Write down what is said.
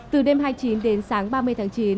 từ đêm hai mươi chín đến sáng ba mươi tháng chín